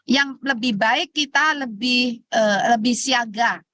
yang lebih baik kita lebih siaga